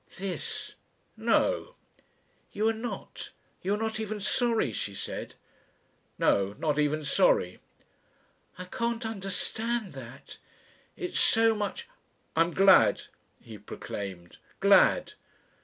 "This." "No!" "You are not you are not even sorry?" she said. "No not even sorry." "I can't understand that. It's so much " "I'm glad," he proclaimed. "_Glad."